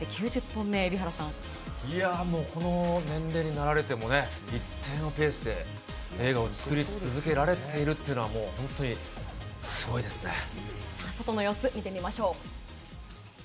いや、もうこの年齢になられてもね、一定のペースで映画を作り続けられているっていうのは、外の様子見てみましょう。